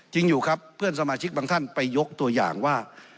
อยู่ครับเพื่อนสมาชิกบางท่านไปยกตัวอย่างว่า